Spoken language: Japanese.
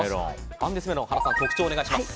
アンデスメロン、原さん特徴をお願いします。